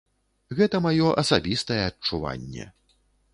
Гэта маё асабістае адчуванне.